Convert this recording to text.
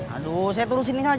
aduh saya turun sini saja lah